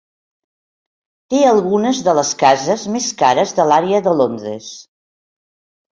Té algunes de les cases més cares de l'àrea de Londres.